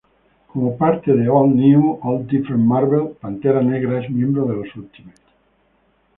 Como parte de "All-New, All-Different Marvel", Pantera Negra es miembro de los Ultimates.